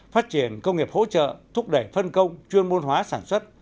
phát triển công nghiệp hỗ trợ thúc đẩy phân công chuyên môn hóa sản xuất